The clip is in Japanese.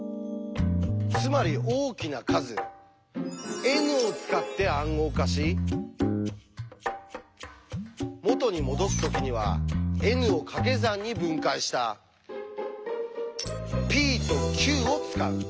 つまり大きな数Ｎを使って暗号化し元にもどす時にはＮをかけ算に分解したｐとｑを使う。